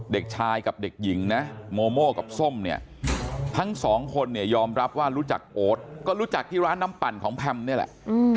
เด็กชายกับเด็กหญิงนะโมโม่กับส้มเนี่ยทั้งสองคนเนี่ยยอมรับว่ารู้จักโอ๊ตก็รู้จักที่ร้านน้ำปั่นของแพมนี่แหละ